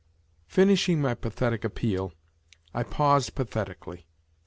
" Finishing my pathetic appeal, I paused pathetically.